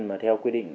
mà theo quy định